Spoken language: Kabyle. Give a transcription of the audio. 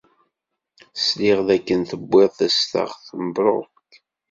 Sliɣ dakken tewwid tastaɣ. Mebṛuk!